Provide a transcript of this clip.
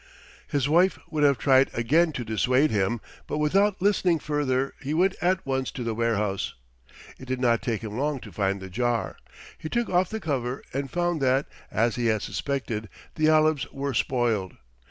His wife would have tried again to dissuade him, but without listening further he went at once to the warehouse. It did not take him long to find the jar. He took off the cover and found that, as he had suspected, the olives were spoiled.